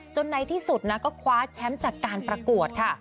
ในที่สุดนะก็คว้าแชมป์จากการประกวดค่ะ